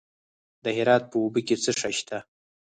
د هرات په اوبې کې څه شی شته؟